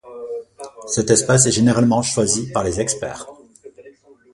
Cet espace est généralement choisi par les experts.